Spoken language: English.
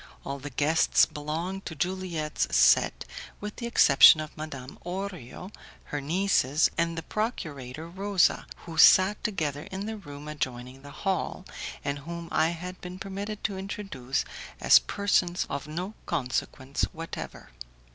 All the guests belonged to Juliette's set, with the exception of Madame Orio, her nieces, and the procurator Rosa, who sat together in the room adjoining the hall, and whom I had been permitted to introduce as persons of no consequence whatever.